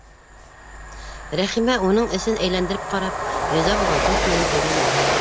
Рәхимә, уның эсен әйләндереп ҡарап, риза булған төҫ менән һөйләнде: